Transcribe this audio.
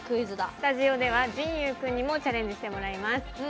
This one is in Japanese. スタジオではじんゆう君にもチャレンジしてもらいます。